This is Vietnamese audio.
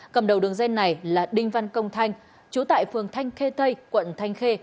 cầm đầu đường dây này là đinh văn công thanh chú tại phường thanh khê tây quận thanh khê